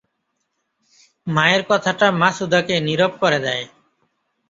মায়ের কথাটা মাছুদাকে নীরব করে দেয়।